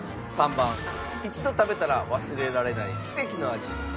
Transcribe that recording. ３番一度食べたら忘れられない奇跡の味